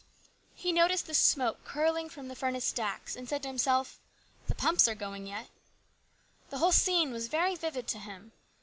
He noticed the smoke curling from the furnace stacks, and said to himself, " The pumps are going yet." The whole scene was very vivid to him.